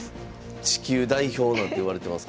地球代表なんていわれてますから。